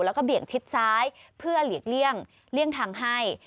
แล้วก็เบี่ยงชิดซ้ายเพื่อหลีกเลี่ยงทางให้